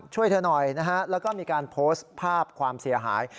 ช่วยเธอหน่อยนะฮะแล้วก็มีการโพสต์ภาพความเสียหาย